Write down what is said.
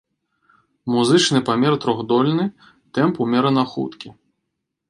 Музычны памер трохдольны, тэмп умерана хуткі.